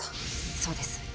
そうです。